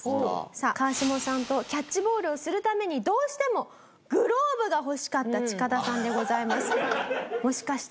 さあ川下さんとキャッチボールをするためにどうしてもグローブが欲しかったチカダさんでございます。